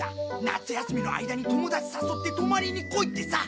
夏休みの間に友達誘って泊まりに来いってさ。